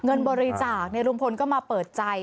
เงินบมาจากเนี่ยหลวงพลก็มาเปิดใจ